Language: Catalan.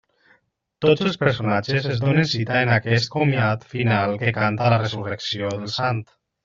Tots els personatges es donen cita en aquest comiat final que canta la resurrecció del sant.